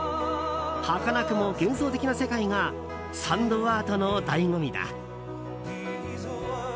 はかなくも幻想的な世界がサンドアートの醍醐味だ。